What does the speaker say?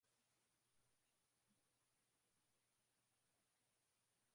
Wachina Wajapani Wakorea na Waitalia